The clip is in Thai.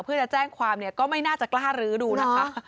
เพื่อจะแจ้งความเนี่ยก็ไม่น่าจะกล้ารื้อดูนะคะ